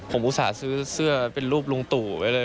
ผมอุตส่าห์ซื้อเสื้อเป็นรูปลุงตู่ไว้เลย